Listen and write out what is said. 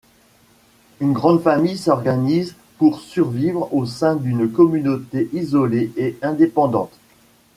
Une grande famille s'organise pour survivre au sein d'une communauté isolée et indépendante.